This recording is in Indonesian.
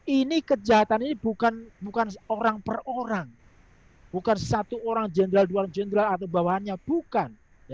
ini kejahatan ini bukan orang per orang bukan satu orang jenderal dua orang jenderal atau bawahannya bukan